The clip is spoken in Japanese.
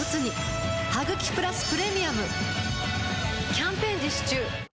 キャンペーン実施中